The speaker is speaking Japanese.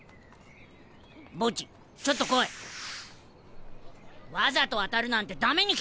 ボッジちょっと来い。わざと当たるなんて駄目に決まってるだろ。